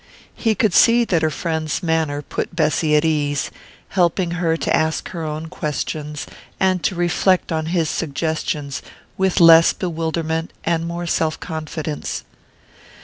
He could see that her friend's manner put Bessy at ease, helping her to ask her own questions, and to reflect on his suggestions, with less bewilderment and more self confidence.